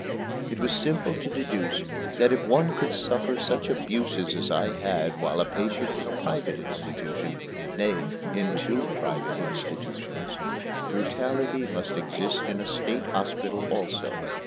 It was simple to deduce that if one could suffer such abuses as I had while a patient in a private institution nay, in two private institutions brutality must exist in a state hospital also.